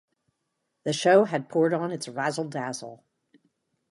The show had poured on its razzle-dazzle.